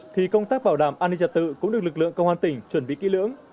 thì công tác bảo đảm an ninh trật tự cũng được lực lượng công an tỉnh chuẩn bị kỹ lưỡng